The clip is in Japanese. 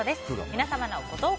皆様のご投稿